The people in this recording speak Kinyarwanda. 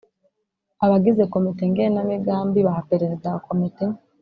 Abagize komite ngenamigambi baha perezida wa komite